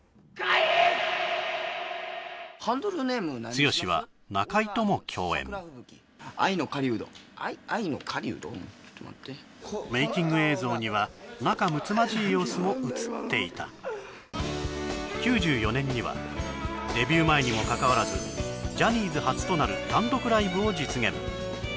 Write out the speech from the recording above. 剛は中居とも共演愛の狩人あい愛の狩人ちょっと待ってメイキング映像には仲むつまじい様子も映っていた９４年にはデビュー前にもかかわらずジャニーズ初となる単独ライブを実現